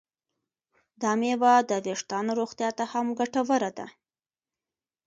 دا میوه د ویښتانو روغتیا ته هم ګټوره ده.